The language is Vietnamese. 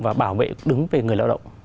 và bảo vệ đứng về người lao động